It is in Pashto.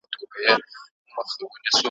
راته یاده مي کیسه د مولوي سي ,